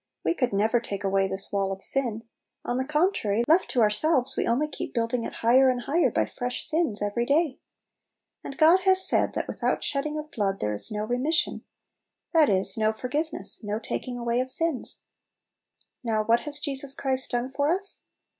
We could never take away this wall of sin; on the contrary, left to ourselves, we only keep building it higher and higher by fresh sins every day. And God has said, that "without shedding of blood there is no remission," that is, no for 26 Little Pillows. giveness, no taking away of sins. Now what has Jesus Christ done for us?